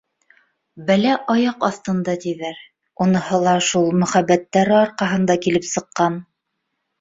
Бәлә аяҡ аҫтында, тиҙәр, уныһы ла шул мөхәббәттәре арҡаһында килеп сыҡҡан